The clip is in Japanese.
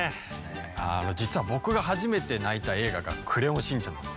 実はボクが初めて泣いた映画が『クレヨンしんちゃん』なんです。